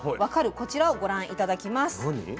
こちらをご覧頂きます。